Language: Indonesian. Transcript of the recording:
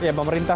iya pak merintas